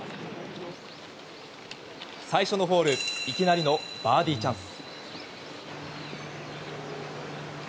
最初のホールいきなりのバーディーチャンス。